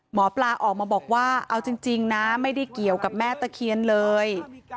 หมอปลาออกมาบอกว่าเอาจริงนะไม่ได้เกี่ยวกับแม่ตะเคียนเลย